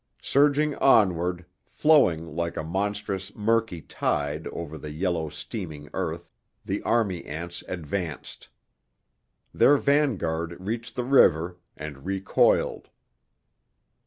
Surging onward, flowing like a monstrous, murky tide over the yellow, steaming earth, the army ants advanced. Their vanguard reached the river, and recoiled.